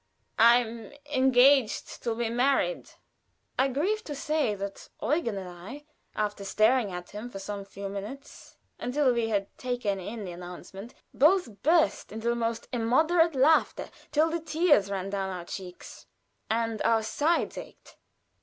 "I'm engaged to be married." I grieve to say that Eugen and I, after staring at him for some few minutes, until we had taken in the announcement, both burst into the most immoderate laughter till the tears ran down our cheeks, and our sides ached.